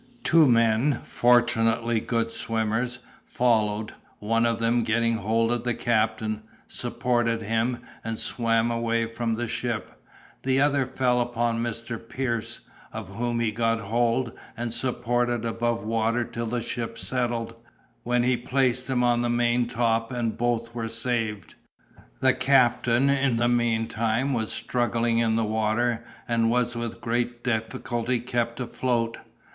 Two men, fortunately good swimmers, followed, one of them getting hold of the captain, supported him, and swam away from the ship: the other fell upon Mr. Pierce, of whom he got hold, and supported above water till the ship settled, when he placed him on the main top, and both were saved. The captain, in the meantime, was struggling in the water, and was with great difficulty kept afloat.